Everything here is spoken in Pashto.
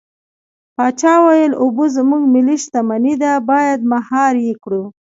پاچا وويل: اوبه زموږ ملي شتمني ده بايد مهار يې کړو.